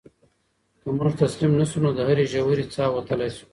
که موږ تسلیم نه شو نو له هرې ژورې څاه وتلی شو.